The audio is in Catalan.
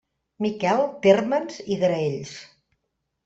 Miquel Térmens i Graells.